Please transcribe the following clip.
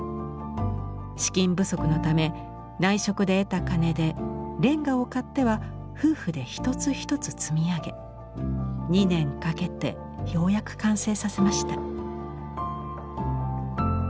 資金不足のため内職で得た金でレンガを買っては夫婦で一つ一つ積み上げ２年かけてようやく完成させました。